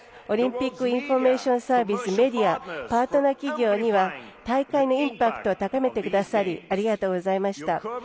オリンピックインフォメーションサービスメディア、パートナー企業には大会のインパクトを高めてくださりありがとうございました。